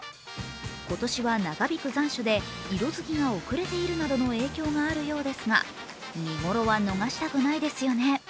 今年は長引く残暑で色づきが遅れているなどの影響があるようですが見頃は逃したくないですよね。